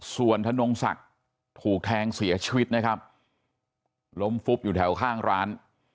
ส่วนธนงศักดิ์ถูกแทงเสียชีวิตนะครับล้มฟุบอยู่แถวข้างร้าน